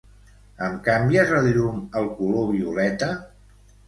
Em canvies el llum al color violeta?